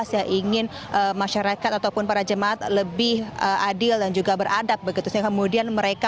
yang ingin masyarakat ataupun para jemaat lebih adil dan juga beradab begitu sehingga kemudian mereka